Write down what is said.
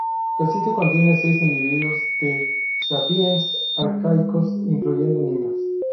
El sitio contiene seis individuos de sapiens arcaicos, incluyendo niños.